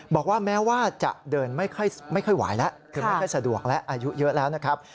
บอกว่าแม้ว่าจะเดินไม่ค่อยไหวแล้วคือไม่ค่อยสะดวกแล้วอายุเยอะแล้วนะครับ